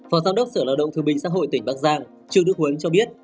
phòng giám đốc sở lao động thương binh xã hội tỉnh bắc giang trường đức huấn cho biết